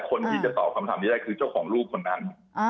คนที่จะตอบคำถามนี้ได้คือเจ้าของลูกคนนั้น